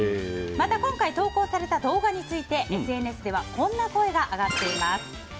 また今回投稿された動画についてＳＮＳではこんな声が上がっています。